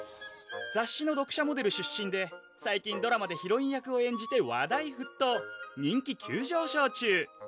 雑誌の読者モデル出身で最近ドラマでヒロイン役をえんじて話題沸騰人気急上昇中！